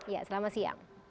ya selamat siang